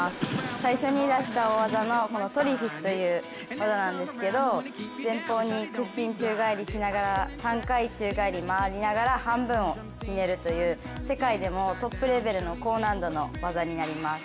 最初に出した大技のトリフィスという技なんですけど前方に屈伸宙返りをしながら３回宙返りを回りながら半分をひねるという世界でもトップレベルの高難度の技になります。